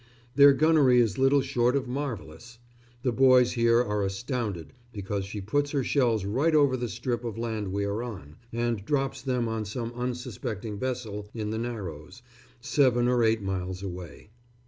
Their gunnery is little short of marvellous. The boys here are astounded because she puts her shells right over the strip of land we are on, and drops them on some unsuspecting vessel in the Narrows, seven or eight miles away.